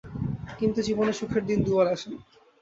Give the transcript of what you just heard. কিন্তু জীবনে সুখের দিন দুবার আসে না।